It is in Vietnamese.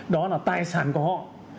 đó là tài sản của họ